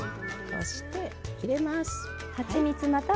そして入れます！